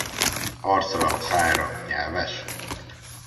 Arcra, szájra, nyelves?